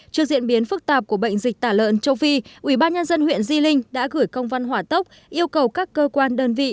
trước diễn biến phức tạp của bệnh dịch tả lợn châu phi ubnd huyện di linh đã gửi công văn hỏa tốc yêu cầu các cơ quan đơn vị